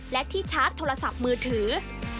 และที่ชาร์จโทรศัพท์มือถือ